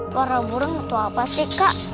suara burung itu apa sih kak